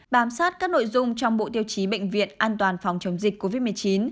bám sát các nội dung trong bộ tiêu chí bệnh viện an toàn phòng chống dịch covid một mươi chín